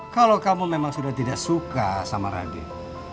kalau kamu memang sudah tidak suka sama raden